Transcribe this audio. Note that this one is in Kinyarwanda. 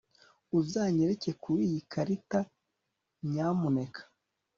uzanyereka kuri iyi karita, nyamuneka